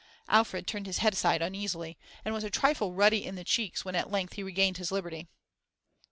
Alfred turned his head aside uneasily, and was a trifle ruddy in the cheeks when at length he regained his liberty.